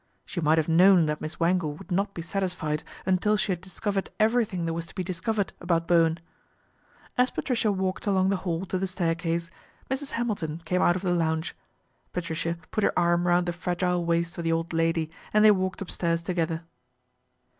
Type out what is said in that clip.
She might have town that Miss Wangle would not be satisfied itil she had discovered everything there was to discovered about Bowen. As Patricia walked along the hall to the stair >e, Mrs. Hamilton came out of the lounge. Patricia put her arm round the fragile waist of the old lady and they walked upstairs together.